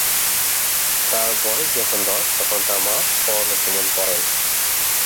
তাঁর বয়স যখন দশ তখন তার মা পরলোকগমন করেন।